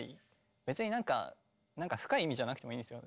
別になんか深い意味じゃなくてもいいんですよ